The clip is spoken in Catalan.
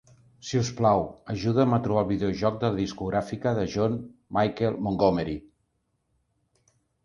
Si us plau, ajuda'm a trobar el videojoc de la discografia de John Michael Montgomery.